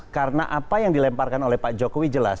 karena apa yang dilemparkan oleh pak jokowi jelas